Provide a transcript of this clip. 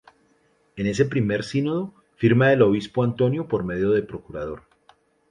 En ese primer sínodo firma el obispo Antonio por medio de procurador.